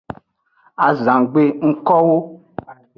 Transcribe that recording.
Azangbe ngkowo.